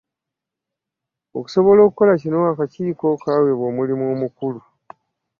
Okusobola okukola kino, akakiiko kaaweebwa omulimu omukulu.